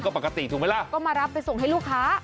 ก็ปกติถูกไหมล่ะก็มารับไปส่งให้ลูกค้า